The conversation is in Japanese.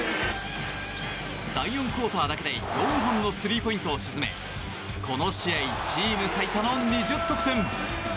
第４クオーターだけで４本のスリーポイントを沈めこの試合チーム最多の２０得点。